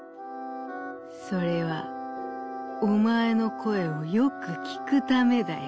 「それはおまえのこえをよくきくためだよ」。